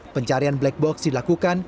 pencarian black box dilakukan